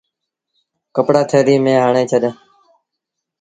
ڪپڙآ ٿيلي ميݩ هڻي ڇڏ۔